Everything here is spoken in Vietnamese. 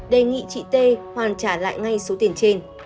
đề nghị chị t hoàn trả lại ngay số tiền trên